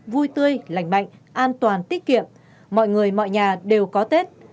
vui tươi lành mạnh an toàn tiết kiệm mọi người mọi nhà đều có tết